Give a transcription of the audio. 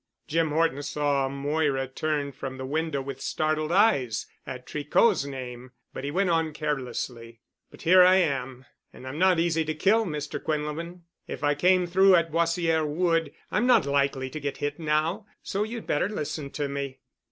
Jim Horton saw Moira turn from the window with startled eyes at Tricot's name, but he went on carelessly. "But here I am, and I'm not easy to kill, Mr. Quinlevin. If I came through at Boissière Wood I'm not likely to get hit now. So you'd better listen to me."